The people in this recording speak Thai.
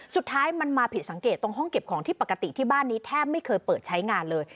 สุดท้ายมันมาผิดสังเกตตรงห้องเก็บของที่ปกติที่บ้านนี้แทบไม่เคยเปิดใช้งานเลย